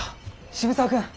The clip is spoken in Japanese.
渋沢君！